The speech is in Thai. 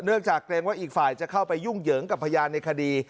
จากเกรงว่าอีกฝ่ายจะเข้าไปยุ่งเหยิงกับพยานในคดี